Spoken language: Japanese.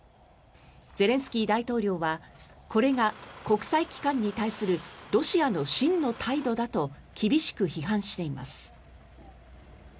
ゼレンスキー大統領はこれが国際機関に対するロシアの真の態度だと厳しく批判しています。